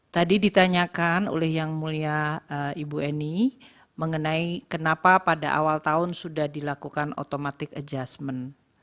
tadi ditanyakan oleh yang mulia ibu eni mengenai kenapa pada awal tahun sudah dilakukan automatic adjustment